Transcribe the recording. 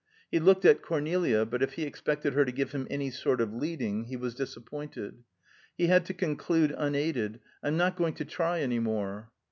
He looked at Cornelia, but if he expected her to give him any sort of leading, he was disappointed. He had to conclude unaided, "I'm not going to try any more."